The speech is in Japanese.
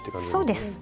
そうです。